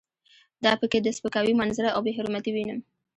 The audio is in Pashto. دا په کې د سپکاوي منظره او بې حرمتي وینم.